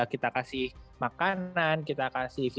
kita kasih makanan kita kasih